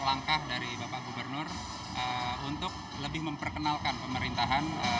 langkah dari bapak gubernur untuk lebih memperkenalkan pemerintahan